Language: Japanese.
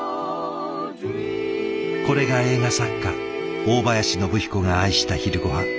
これが映画作家大林宣彦が愛した昼ごはん。